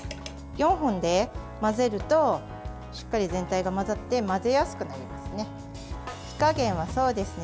４本で混ぜるとしっかり全体が混ざって混ぜやすくなりますね。